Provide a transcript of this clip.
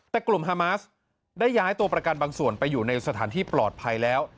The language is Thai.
แต่กลุ่มฮามาสได้ย้ายตัวประกันบางส่วนไปอยู่ในสถานที่ปลอดภัยแล้ว